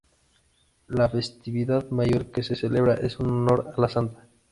La festividad mayor que se celebra, es en honor a la Santa.